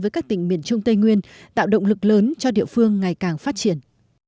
với các tỉnh miền trung tây nguyên tạo động lực lớn cho địa phương ngày càng phát triển